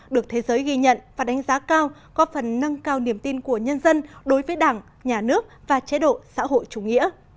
được thế giới ghi nhận và đánh giá cao có phần nâng cao niềm tin của nhân dân đối với đảng nhà nước và chế độ xã hội chủ nghĩa